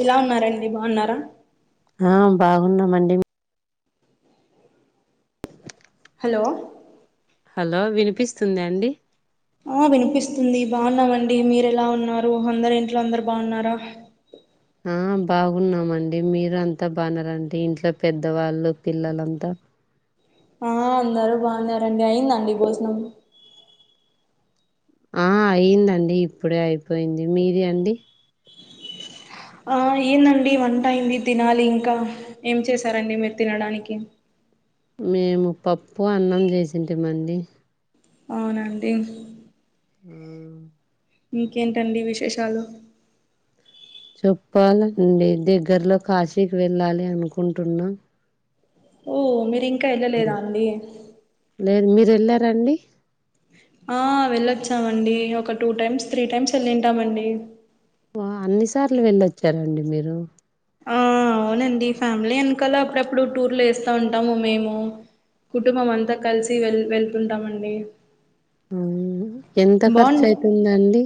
ఎలా ఉన్నారండి బాగున్నారా? ఆ బాగున్నామండి. మీ హలో! హలో వినిపిస్తుందా అండి ఆ విన్పిస్తుంది. బాగున్నామండి మీరెలా ఉన్నారు అందర్ ఇంట్లో అందరు బాగున్నారా? ఆ బాగున్నామండి మీరంతా బాగున్నరండి ఇంట్లో పెద్దవాళ్ళు, పిల్లలంతా ఆ అందరు బాగున్నారండి అయిదండి భుజనం ఆ అయిందండి ఇప్పుడే అయిపోయింది. మీది అండి ఆ అయిదండి వంటైయింది తినాలి ఇంకా ఏం చేసారండి మీరు తినడానికి మేము పప్పు, అన్నం చేసింటిమండి అవునండి. ఆ ఇంకేంటండి విశేషాలు చెప్పాలండి దగ్గర్లో కాశీకి వెళ్ళాలి అనుకుంటున్నా. ఓ మీరింక ఎళ్ళలేదా అండి వెళ్లరండి ఆ వెళ్ళొచ్చామండి. ఒక టూ టైమ్స్, త్రీ టైమ్స్ వెళ్ళింటామండి. వా అన్ని సార్లు వెళ్ళొచ్చారండి మీరు ఆ అవునండి. ఫ్యామిలీ ఎనకాల అప్పుడప్పుడు టూర్ల్ ఏస్తా ఉంటాము మేము కుటుంబం అంతా కల్సి వెల్ వెళ్తుంటామండి. అవునా ఎంత బాన్ ఖర్చ్ అయితుందండి.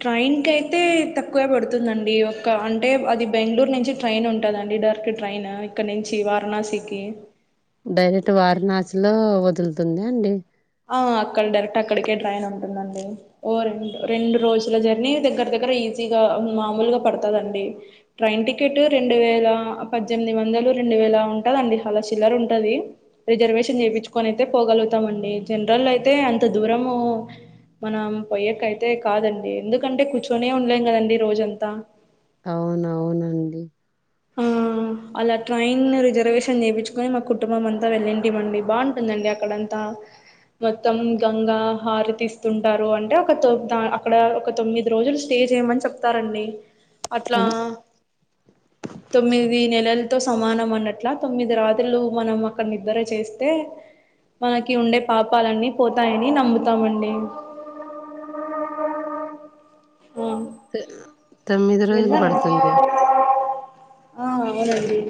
ట్రైన్ కైయితే తక్కువే పడుతుందండి. ఒక అంటే అది బెంగళూర్ నుంచి ట్రైన్ ఉంట లాడిడర్కి ట్రైన్ ఇక్కడ్నుంచి వారణాసికి డైరెక్ట్ వారణాసిలో వదులుతుంద అండి. ఆ అక్కడ డైరెక్ట్ అక్కడికే డ్రైన్ ఉంటుందండి. ఓ రెండు రెండు రోజుల జర్నీ దగ్గర దగ్గర ఇ ఈసీగా మాముల్గా పడతాదండి. ట్రైన్ టికెట్ రెండు వేల పద్దెనిమిది వందలు రెం రెండు వేలా ఉంటదండి అలా చిల్లర్ ఉంటది. రిజర్వేషన్ చేపిచ్చుకోన్ అయితే పోగలుగుతామండి. జనరల్లో అయితే అంత దూరము మనం పొయ్యేకైతే కాదండి. ఎందుకంటే కూర్చొనే ఉండలేం కదండి రోజంతా అవునవునండి. ఆ అలా ట్రైన్ రిజర్వేషన్ చేపిచ్చుకొని మా కుటుంబం అంతా వెళ్ళంటిమండి. బాగుంటుందండి అక్కడంతా మొత్తం గంగా హారితిస్తుంటారు. అంటే ఒక దాన్ అక్కడ ఒక తొమ్మిది రోజులు స్టే చెప్తారండి అట్లా అన్ తొమ్మిది నెల ల్తో సమానం అన్నట్ల తొమ్మిది రాత్రులు మనం అక్కడ నిద్ర చేస్తే మనకి ఉండే పాపాలన్నీ పోతాయని నమ్ముతామండి. ఆ తే తొమ్మిది రోజులు వెళ్ళాం పడుతుంది ఆ అవునండి.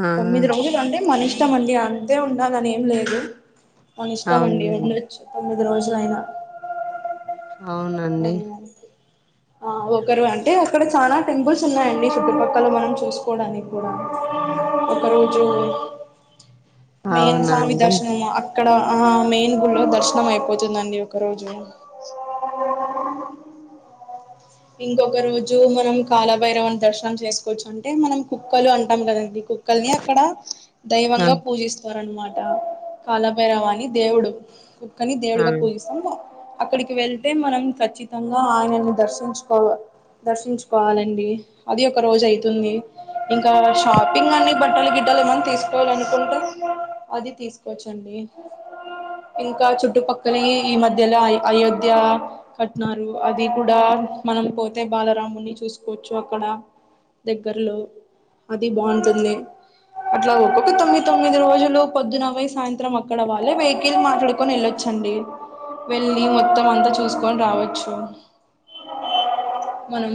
ఆ తొమ్మిది ఆ! రోజులు అంటే మన ఇష్టం అండి అంతే ఉండాలని ఏం లేదు. మనిష్టమండి అవునులేండి ఉండొచ్చు తొమ్మిది రోజులైనా అవునండి. ఆ ఒకరు అంటే అక్కడ చాలా టెంపుల్స్ ఉన్నాయండి చుట్టుపక్కల మనము చూసుకోవడానికి కూడా ఒకరోజు అవునా మేయిన్సామి అండి దర్శన ఇక్కడ ఆ మెయిను గుళ్లో దర్శనం అయిపోతుందండి ఒక రోజు అ ఇంకొక రోజు మనం కాలభైరవ దర్శనం చేసుకోవచ్చు అంటే మనం కుక్కలు అంటాం కదండి కుక్కల్ని అక్కడ ఆ దైవంగా పూజిస్తారు అనమాట్ అ కాలాభైరవాని దేవుడు కుక్కని ఆ దేవుడిగా పూజిస్తం అక్కడికి వెళ్తే మనం ఖచ్చితంగా ఆయనని దర్శించుకోవాలి దర్శించుకోవాలండి అది ఒక రోజు అయితుంది ఇంకా షాపింగ్ అన్ని బట్టల గి చాలా మంది తీసుకోవాలనుకుంటే అది తీసుకోవచ్చండి ఇంకా చుట్టుపక్కల ఈ మధ్యలో అ అయోధ్య కట్నారు అది కూడా మనం పోతే బాలరాముని చూసుకోవచ్చు అక్కడ దగ్గర్లో అది బాగుంటుంది అట్లా ఒక్కొక్క తొమ్మిది తొమ్మిది రోజులు పొద్దున పోయ్ సాయంత్రం అక్కడ వాళ్ళే వెహికిల్ మాట్లాడుకుని వెళ్ళొచ్చు. అండి వెళ్ళి మొత్తం అంతా చూసుకొని రావచ్చు మనం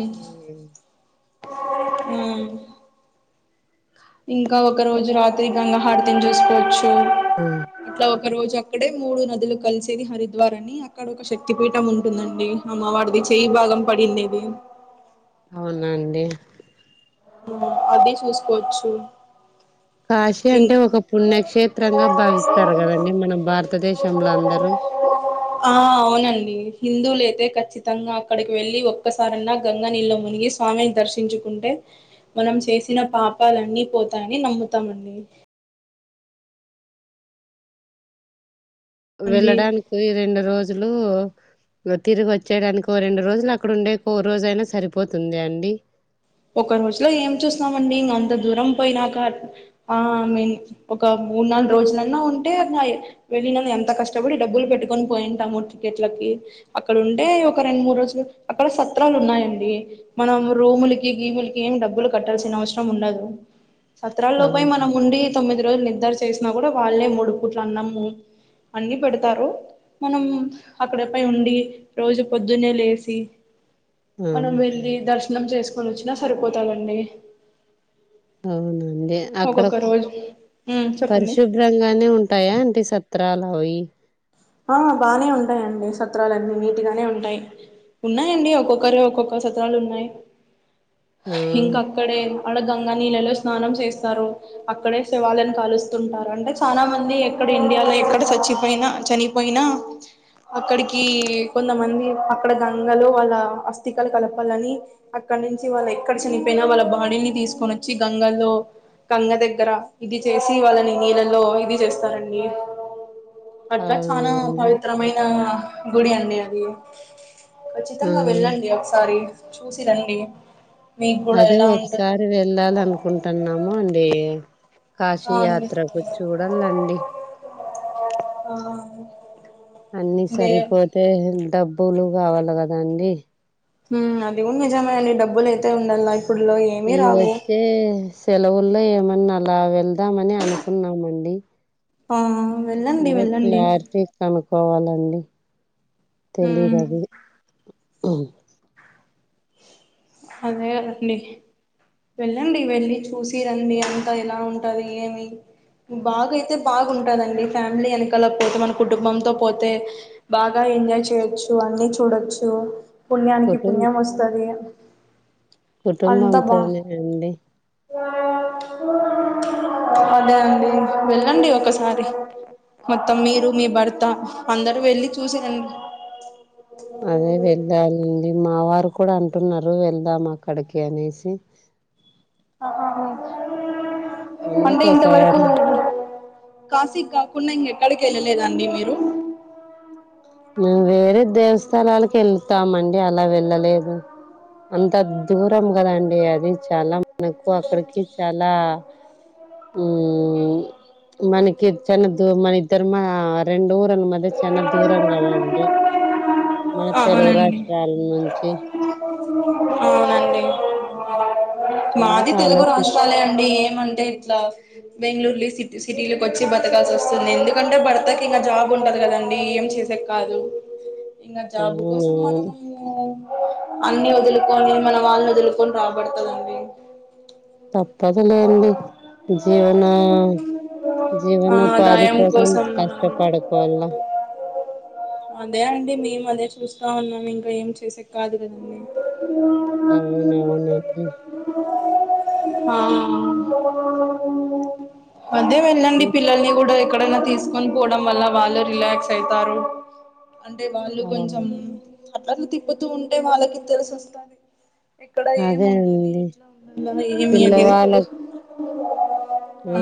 ఉ ఇంకా ఒకరోజు రాత్రి గంగాహర్త్యం చేసుకోవచ్చు అట్లా ఒకరోజు అక్కడే మూడు నదులు కలిసేది హరిద్వారని అక్కడ ఒక శక్తి పీఠం ఉంటుందండి అమ్మ వారిది చేయి భాగం పడిండేది అవునన్ అదే చూసుకోవచ్చు కాశీ అంటే ఒక పుణ్యక్షేత్రంగా భావిస్తారు కదండి. మన భారతదేశంలో అందరూ ఆ అవునండి హిందువులే ఖచ్చితంగా అక్కడికి వెళ్ళి ఒక్కసారన్నా గంగ నీళ్లో మునిగి స్వామిని దర్శించుకుంటే మనం చేసిన పాపాలు అన్నీ పోతాయని నమ్ముతామండి మంది వెళ్ళడానికి రెండు రోజులు తిరిగి వచ్చేయడానికి ఓ రెండు రోజులు అక్కడ ఉండేకి ఒ రోజుయినా సరిపోతుంది అండి ఒక రోజులో ఏం చూస్తామండి ఇంగ అంత దూరం పోయినాక ఐ మీన్ ఒక మూడు నాలుగు రోజులన్నా ఉంటే వెళ్ళిన ఎంత కష్టపడి డబ్బులు పెట్టుకొని పోయింటాము టికెట్లకి అక్కడ ఉంటే ఒక రెండు మూడు రోజులు అక్కడ సత్రాలు ఉన్నాయండి మనం రూముల గీములకి ఏం డబ్బులు కట్టాల్సిన అవసరం ఉండదు సత్రాల్లో పోయి అవును మనం ఉండి తొమ్మిది రోజు నిద్దరు చేసినా కూడా వాళ్ళే మూడుపూట్ల అన్నము అన్ని పెడతారు మనం అక్కడపై ఉండి రోజు పొద్దున్నే లేచి ఆ మనం వెళ్ళి దర్శనం చేసుకొని వచ్చినా సరిపోతాదండి అవును ఏ అక్కడ ఒక్కొక్క రోజు ఉమ్ చెప్పండి పరిశుభ్రంగానే ఉంటాయా అంటే సత్రాలు పోయి ఆ బానే ఉంటాయండి సత్రాలు అన్నీ నీటిగానే ఉంటాయి ఉన్నాయండి ఒక్కొక్కరు ఒక్కొక్క సత్రాలు ఉన్నాయి ఆ ఇంకా అక్కడే వాడ గంగా నీళ్ళళ్ళో స్నానం చేస్తారు అక్కడే శవాలను కాలుస్తుంటారు అంటే చానా మంది ఎక్కడ ఇక్కడ ఇండియాలో ఎక్కడ చచ్చిపోయినా చనిపోయినా అక్కడికి కొంతమంది అక్కడ గంగలో వాళ్ళ అస్థికలు కలపాలని అక్కడ అక్కడి నుంచి వాళ్ళ ఎక్కడ చనిపోయినా వాళ్ళ బాడీని తీసుకొని వచ్చి గంగల్లో గంగ దగ్గర ఇది చేసి వాళ్ళని నీళ్ళలో ఇది చేస్తారండి అట్లా చానా అవునండి పవిత్రమైన గుడి అండి అది ఆ ఖచ్చితంగా వెళ్ళండి ఒకసారి చూసి రండి మీకు కూడా అదే ఎలా ఉంటుంది ఒకసారి వెళ్ళాలనుకుంటున్నాము అండి కాశీ యాత్రకు చూడాలండి [unintelligible] అన్ని దే సరిపోతే డబ్బులు కావాలి కదా అండి మ్ అది కూడా నిజమే అండి డబ్బులు అయితే ఉండాలైఫ్ ఈ వచ్చే సెలవుల్ల ఏమ అన్ను అలా వెళ్దామని అనుకున్నామండి. ఆ వెళ్ళండి ఇంగ వెళ్ళండి క్లారిటీ కనుక్కవాలండి ఉమ్ తెలిఅదిది ఉ అదేదండి వెళ్ళండి వెళ్ళి చూసి రండి అంతా ఎలా ఉంటది ఏమి? బాగా అయితే బాగుంటాదండి ఫ్యామిలీ వెనకలక పోతే మన కుటుంబంతో పోతే బాగా ఎంజాయ్ చేయొచ్చు, అన్ని చూడొచ్చు పుణ్యానికి పుణ్యం వస్తుంది. కుటుంబంతో నేనే అండి అదే అండి వెళ్ళండి ఒకసారి మొత్తం మీరు మీ భర్త అందరు వెళ్ళి చూసారండి. అదే వెద్ద అయింది మావారు కూడా అంటున్నారు వెళ్దాం అక్కడికి అనేసి అంటే ఇంత వరకు అందుకోసారి కాశీక్ కాకుండా ఇంక ఎక్కడికి వెళ్ళలేదండి మీరు? మ్ వేరే దేవస్థలాలకు వెళ్తామండి అలా వెళ్ళలేదు. అంత దూరం కదాండి అది చాలం నాకు అక్కడికి చాలా మ్మ్ మనకి చన్న దూ మన ఇద్దరు మా రెండు ఊరల మధ్య చన్న దూ రం కదండి మా తెలుగు అవునండి రాష్ట్రాల నుంచి అవునండి అది అందుకు తెలుగు ఆలోచి రాష్ట్రాలే అండి ఏమంటే ఇట్లా బెంగళూరు లి సిటీస్ సిటీలోకి వచ్చి బతకాల్సి వస్తుంది ఎందుకంటే భర్తకి ఇంకా జాబ్ ఉంటంది కదండి ఏం చేసేక కాదు. అ ఇంగా జాబు కోసం మనము అన్ని వదులుకొని మన వాళ్ళని వదులుకొని రాబడతాలండి తప్పదులేండి జీవన ఆ జీవను ఉపాది ఆదాయం కోసం మనం కష్టపడుకోల అదే అండి మేము అదే చూస్తా ఉన్నాను ఇంకా ఏం చేసే కాదు కాదండి. అవునవునండి ఆ మధ్య వెళ్ళండి పిల్లల్ని కూడా ఎక్కడనా తీసుకొని పోవడం వల్ల వాళ్ళు రిలాక్స్ అయితారు. అంటే వాళ్ళు అవును కొంచెం అట్లట్లా తిప్పుతూ ఉంటే వాళ్ళకి తెలిసిస్తంది. ఇక్కడ అదే ఏమింటది అండి ఎట్లా ఉండ ఏమి అనేది పిల్లవాళ్ళ తెలుసు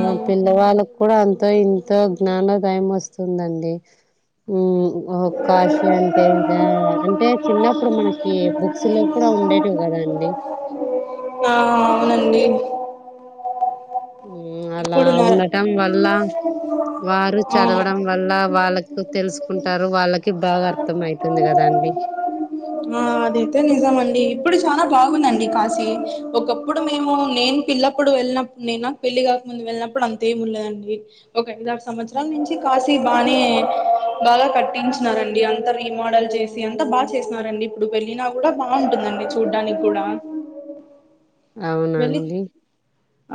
ఆ పిల్లవాళ్ళకి కూడా అంతో ఇం తో జ్ఞానోదయం వస్తుందండి ఊ ఓహో కాశి అంటే ఇద అంటే చిన్నప్పుడు మనకి బుక్స్ ల్లో కూడా ఉండేటివి గా దండి ఆవునన్ అలా ఇప్పుడు నా ఉండటం వల్ల వారు అవును చదవడం వల్ల వాళ్ళకు తెలుసుకుంటారు వాళ్ళకి బాగా అర్థం అయితుంది కదా అండి ఆ అదైతే నిజం అండి ఇప్పుడు చాలా బాగుందండి కాశీ ఒకప్పుడు మేము నేను పిల్లప్పుడు ప్పుడు వెళ్ళినప్పుడు నేను నాకు పెళ్లి కాక ముందు వెళ్ళినప్పుడు అంతేం ఉండదండి ఒక ఐదారు సంవత్సరాల నుంచి కాశీ బానే బాగా కట్టించినారండి అంత రీమోడల్ చేసి అంతా బాగ చేసినారండి డు వెళ్ళినా కూడా బాగుంటుందండి చూడ్డానికి కూడా వెళ్లి అవునండి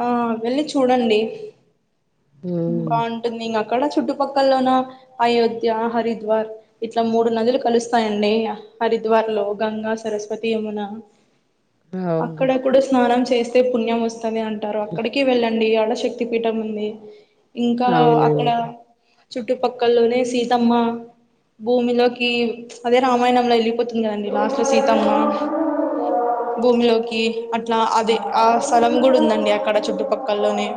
ఆ వెళ్లి చు చూడండి బాగుంటుంది ఇంగ అక్కడ చుట్టుపక్కల్లోన అయోధ్య హరిద్వార్ ఇట్లా మూడు నదులు కలుస్తాయండి హరి ద్వలో గంగా సరస్వతి యమున అవును అక్కడ కూడ స్నానం చేస్ పుణ్యం వస్తది అంటారు అక్కడికి వెళ్ళండి ఆడ శక్తి పీఠం ఉంది ఇంకా అక్కడ అవునండి చుట్టుపక్కల్లోనే సీతమ్మ భూమిలోకి అదే రామాయణంలో వెళ్ళిపోతు ఇంగ లాస్ట్లో సీతమ్మ భూమిలోకి అట్లా అదే ఆ స్థలం కూడ ఉందండి అక్కడ చుట్టుపక్కల్లోనే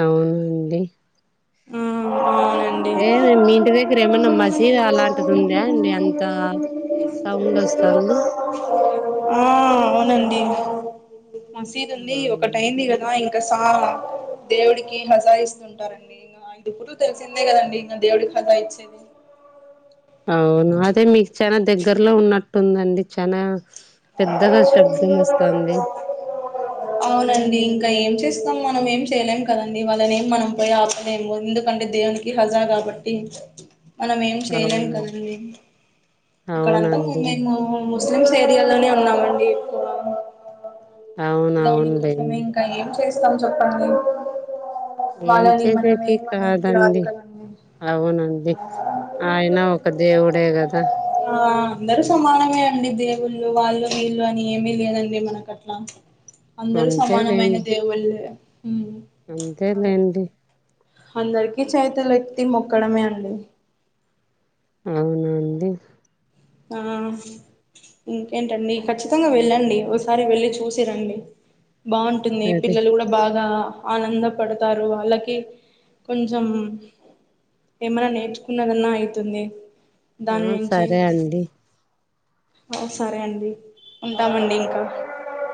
అవునండి అఉ ఏది మీ ఇంటి దగ్గర ఏమన్నా మసీద్ అలాంటిది ఉందా అండి అంత సౌండ్ వస్తాంది ఆ అవునండి మసీదు ఉంది ఒకటైంది కదా ఒక సా దేవుడికి హజా ఇస్తుంటారు ఎప్పుడు తెలిసిందే కదండి ఇంకా దేవుడి హజా ఇచ్చేది అవును అదే మీకు చనా దగ్గరలో ఉన్నట్టుందండి చనా అవునండి ఇంకా ఏం చేసి మనం ఏం చేయలేం కదండి వాళ్ళని ఏం మనం పోయి ఆపలేము ఎందుకంటే దేవునికి హజా కాబట్టి మనం ఏం చేయలేం అవును కదండి ఇక్కడంతా అవునండి మేము ముస్లిమ్స్ ఏరియాలో న్నాం అండి ఇప్పుడు అవును ఎ దానికోసమే అవునులేండి ఇంకా ఏం చేస్ చెప్పండి ఏం వాళ్ళని మనం చేసేకి ఏం అనేకి రాదు కాదండి కదండి అవునండి ఆయన ఒక దేవుడే కదా ఆ అందరూ సమానమే అండి దేవుళ్ళు వాళ్ళు వీళ్ళు అని ఏమి లేదండి మనక అట్లా అందరు సమానమైన అంతేలేండి దేవుళ్ళు ఉ అ అంతేలేండి అందరికిీ చేతుల ఎత్తి మొక్కడమే అండి అవున అండి ఆ ఇంకేంటండి ఖచ్చితంగా వెళ్ళండి ఒసారి వెళ్ళి చూసిరండి బాంటుంది సరే పిల్లలు కూడా బాగా ఆనంద పడతారు వాళ్ళకి కొంచెం ఏమన నేర్చుకున్నదన్నా అయితుంది దాని ఆ నుంచి సరే అండి ఓ సరే అండి ఉంటామండి ఇంకా